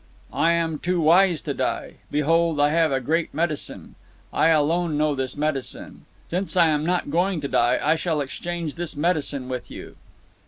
"I am too wise to die. Behold, I have a great medicine. I alone know this medicine. Since I am not going to die, I shall exchange this medicine with you."